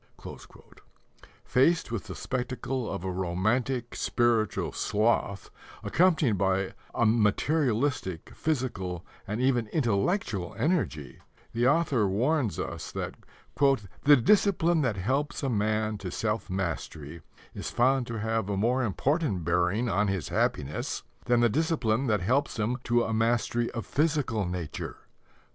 Faced with the spectacle of a romantic spiritual sloth accompanied by a materialistic, physical, and even intellectual energy, the author warns us that "the discipline that helps a man to self mastery is found to have a more important bearing on his happiness than the discipline that helps him to a mastery of physical nature."